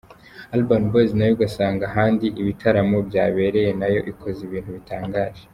Urban Boyz nayo ugasanga ahandi ibitaramo byabereye nayo ikoze ibintu bitangaje…”.